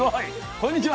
こんにちは。